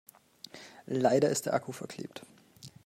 Leider ist der Akku verklebt.